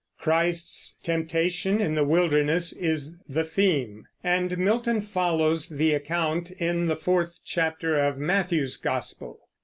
Christ's temptation in the wilderness is the theme, and Milton follows the account in the fourth chapter of Matthew's gospel.